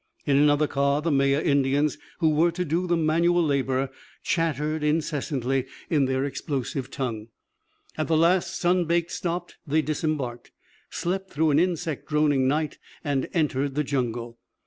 In another car the Maya Indians who were to do the manual labour chattered incessantly in their explosive tongue. At the last sun baked stop they disembarked, slept through an insect droning night, and entered the jungle.